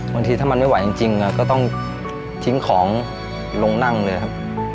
บางทีถ้ามันไม่ไหวจริงก็ต้องทิ้งของลงนั่งเลยครับ